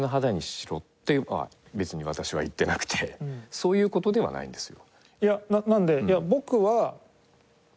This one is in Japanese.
そういう事ではないんですよ。